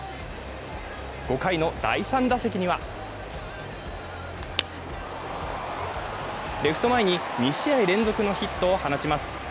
５回の第３打席にはレフト前に２試合連続のヒットを放ちます。